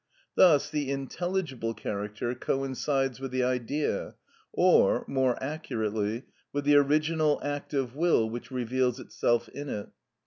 (38) Thus the intelligible character coincides with the Idea, or, more accurately, with the original act of will which reveals itself in it.